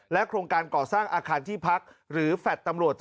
โครงการก่อสร้างอาคารที่พักหรือแฟลต์ตำรวจ